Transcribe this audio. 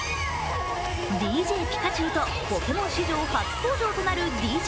ＤＪピカチュウとポケモン史上初登場となるＤＪ